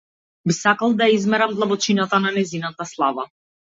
Би сакал да ја измерам длабочината на нејзината слава.